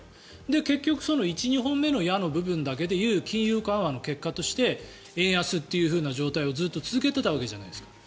結局、その１、２本目の矢だけでいう金融緩和の結果として円安という状態をずっと続けていたわけじゃないですか。